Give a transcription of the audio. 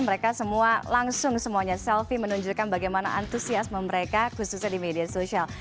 mereka semua langsung semuanya selfie menunjukkan bagaimana antusiasme mereka khususnya di media sosial